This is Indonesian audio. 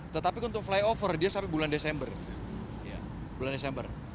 tetapi untuk flyover dia sampai bulan desember